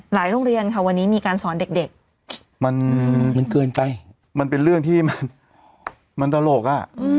โรงเรียนค่ะวันนี้มีการสอนเด็กมันเกินไปมันเป็นเรื่องที่มันตลกอ่ะ